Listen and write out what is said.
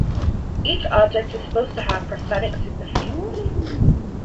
Each object is supposed to have a prophetic significance.